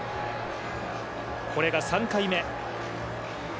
これが３回目。